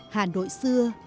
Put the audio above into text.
hà nội xưa